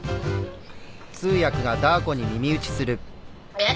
えっ？